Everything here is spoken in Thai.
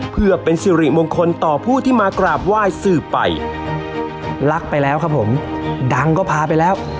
เพื่อเป็นสิริมงคลต่อผู้ที่มากราบไหว้สืบไปรักไปแล้วครับผมดังก็พาไปแล้ว